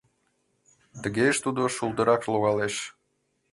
Тыгеже тудо шулдырак логалеш.